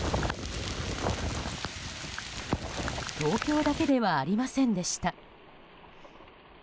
東京だけではありませんでした。